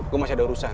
gue masih ada urusan